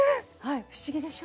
不思議でしょ。